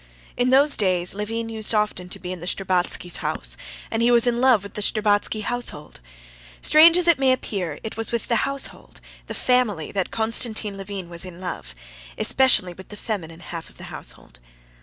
In those days Levin used often to be in the Shtcherbatskys' house, and he was in love with the Shtcherbatsky household. Strange as it may appear, it was with the household, the family, that Konstantin Levin was in love, especially with the feminine half of the household.